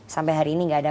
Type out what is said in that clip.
sampai hari ini nggak ada